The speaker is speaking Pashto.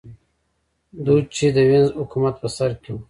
دوج چې د وینز حکومت په سر کې و